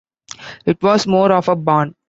It was more of a barn.